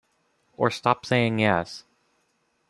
Or stop saying yes.